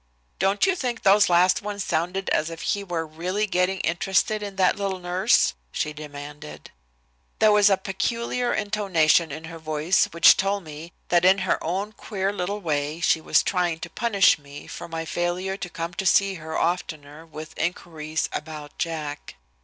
"Don't you think those last ones sounded as if he were really getting interested in that little nurse?" she demanded. There was a peculiar intonation in her voice which told me that in her own queer little way she was trying to punish me for my failure to come to see her oftener with inquiries about Jack.